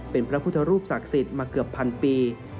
เป็นพระพุทธรูปศักดิ์สิทธิ์มาเกือบพันปี